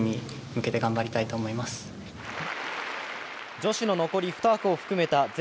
女子の残り２枠を含めた全